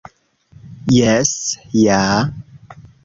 Jes ja...